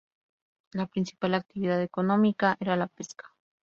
La principal actividad económica era la pesca.